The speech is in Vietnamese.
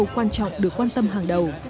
quan trọng được quan tâm hàng đầu